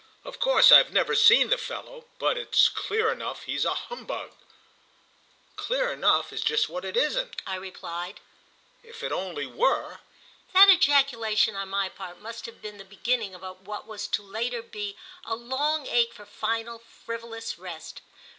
"Of course I've never seen the fellow, but it's clear enough he's a humbug." "Clear 'enough' is just what it isn't," I replied; "if it only were!" That ejaculation on my part must have been the beginning of what was to be later a long ache for final frivolous rest.